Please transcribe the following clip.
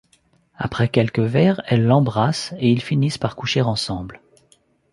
Après quelques verres, elle l'embrasse, et ils finissent par coucher ensemble.